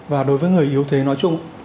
và đối với người yếu thế nói chung